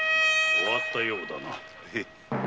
終わったようだな。